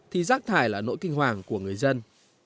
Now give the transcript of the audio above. thì rác thải là nỗi kinh hoàng của người dân